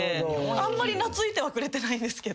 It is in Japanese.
あんまり懐いてはくれてないけど。